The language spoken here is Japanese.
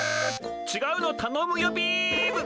ちがうのたのむよビーム！